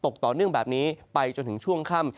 ต่อเนื่องแบบนี้ไปจนถึงช่วงค่ำ